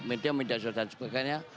media media sosial dan sebagainya